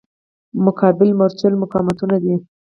مقابل مورچل مقاومتونه دي.